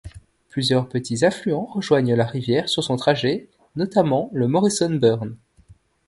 Plusieurs petits affluents rejoignent la rivière sur son trajet, notamment le ‘ Morrison's Burn’.